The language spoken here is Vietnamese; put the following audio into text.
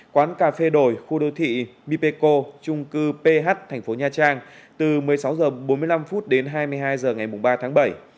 quán cà phê đồi khu đô thị mipeko trung cư ph tp nha trang từ một mươi sáu h bốn mươi năm đến hai mươi hai h ngày ba bảy